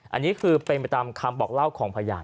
อันนี้คือเป็นไปตามคำบอกเล่าของพยาน